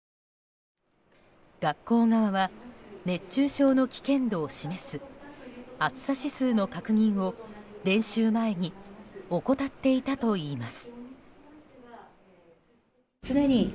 学校側は、熱中症の危険度を示す暑さ指数の確認を練習前に怠っていたといいます。